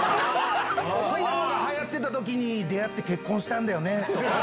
こいつがはやってたときに出会って結婚したんだよねとか。